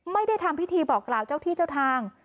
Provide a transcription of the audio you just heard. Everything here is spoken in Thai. ไม่ได้ทำพิธีบอกกล่าวเจ้าที่เจ้าทาง